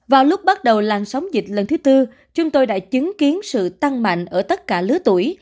vào lúc bắt đầu làn sóng dịch lần thứ tư chúng tôi đã chứng kiến sự tăng mạnh ở tất cả lứa tuổi